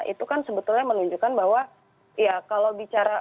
itu kan sebetulnya menunjukkan bahwa ya kalau bicara